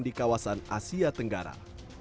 di kawasan asia tenggara